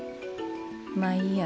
まあいいや。